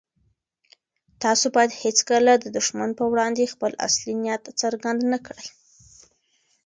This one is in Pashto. تاسو بايد هيڅکله د دښمن په وړاندې خپل اصلي نيت څرګند نه کړئ.